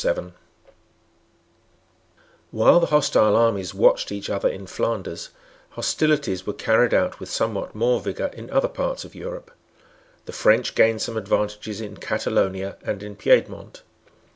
While the hostile armies watched each other in Flanders, hostilities were carried on with somewhat more vigour in other parts of Europe. The French gained some advantages in Catalonia and in Piedmont.